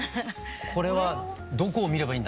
これはどこを見ればいいんだ？